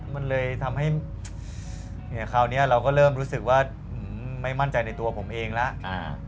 มันเลยทำให้คราวนี้เราก็เริ่มรู้สึกว่าไม่มั่นใจในตัวผมเองแล้ว